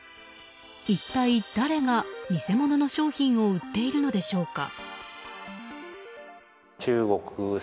一体誰が偽物の商品を売っているのでしょうか。